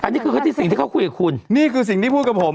อันนี้คือที่สิ่งที่เขาคุยกับคุณนี่คือสิ่งที่พูดกับผม